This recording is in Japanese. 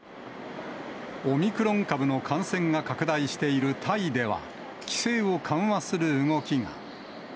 オミクロン株の感染が拡大しているタイでは、規制を緩和する動き